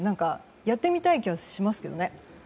やってみたい気はしますけどね。